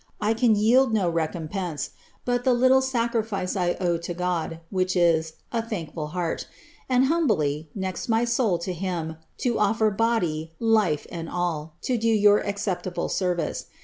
I can yield no recompence, but the like sacrifice I owe to Go<I, which is, a thankful heart : and humbly, next my soul to Him, to offer body, life, and all, to do you acceptable service.